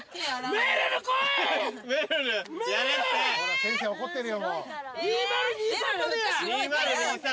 先生怒ってるよ。